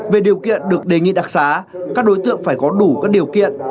về điều kiện được đề nghị đặc xá các đối tượng phải có đủ các điều kiện